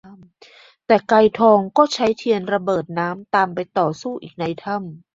แต่ไกรทองก็ใช้เทียนระเบิดน้ำตามไปต่อสู้อีกในถ้ำ